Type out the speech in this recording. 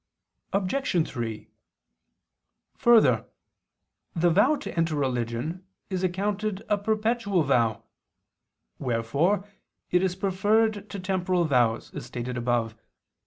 Obj. 3: Further, the vow to enter religion is accounted a perpetual vow: wherefore it is preferred to temporal vows, as stated above (A.